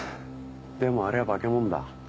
でもあれは化け物だ。